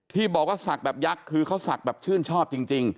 ที่บอกว่าศักดิ์แบบยักษ์คือเขาศักดิ์แบบชื่นชอบจริง